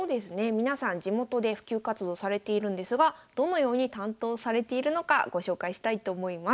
皆さん地元で普及活動されているんですがどのように担当されているのかご紹介したいと思います。